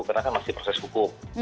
karena kan masih proses hukum